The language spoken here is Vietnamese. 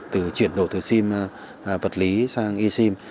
từ chuyển đổ từ sim vật lý sang e sim